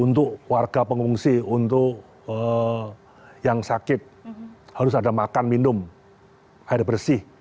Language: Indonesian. untuk warga pengungsi untuk yang sakit harus ada makan minum air bersih